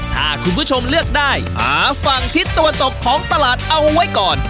ถ้าคุณผู้ชมเลือกได้หาฝั่งทิศตะวันตกของตลาดเอาไว้ก่อน